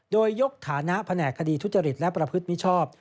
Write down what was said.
โดยยกฐานะแผนกคดีทุจริตและประพฤติมิชชอบ